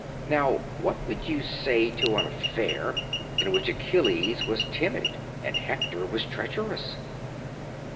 Now, what would you say to an affair in which Achilles was timid and Hector was treacherous?"